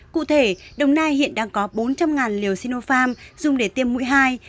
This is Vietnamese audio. cụ thể đồng nai hiện đang có bốn trăm linh liều sinopharm dùng để tiêm mũi hai